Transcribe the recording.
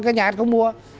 các nhà hát không mua